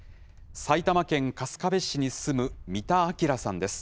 埼玉県春日部市に住む三田明さんです。